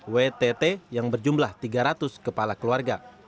wtt yang berjumlah tiga ratus kepala keluarga